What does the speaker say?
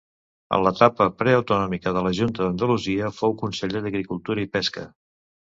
En l'etapa preautonòmica de la Junta d'Andalusia fou Conseller d'Agricultura i Pesca.